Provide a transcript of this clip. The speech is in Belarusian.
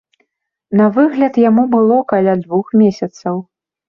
На выгляд яму было каля двух месяцаў.